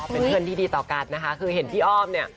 เป็นเพื่อนที่ดีต่อกันนะคะคือเห็นพี่อ้อมเนี่ย